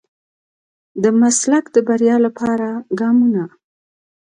د مسلک د بريا لپاره ګامونه.